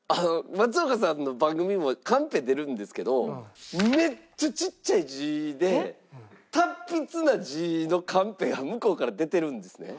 松岡さんの番組もカンペ出るんですけどめっちゃちっちゃい字で達筆な字のカンペが向こうから出てるんですね。